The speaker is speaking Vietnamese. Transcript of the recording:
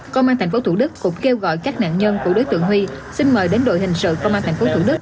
công an thành phố thủ đức cũng kêu gọi các nạn nhân của đối tượng huy xin mời đến đội hình sự công an thành phố thủ đức